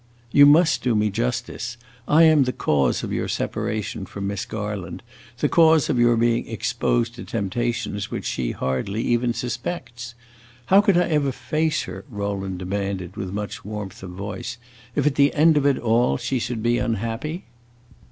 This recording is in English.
"You must do me justice. I am the cause of your separation from Miss Garland, the cause of your being exposed to temptations which she hardly even suspects. How could I ever face her," Rowland demanded, with much warmth of tone, "if at the end of it all she should be unhappy?"